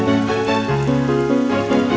udah hangat kan